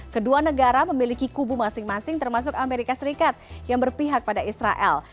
kedua negara memiliki kubu masing masing termasuk amerika serikat yang berpihak pada israel